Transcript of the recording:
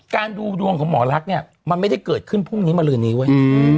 การดูดวงของหมอรักเนี้ยมันไม่ได้เกิดขึ้นพรุ่งนี้มลื่นหนีเว้ย